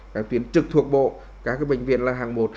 các tuyến trực thuộc bộ các bệnh viện là hàng một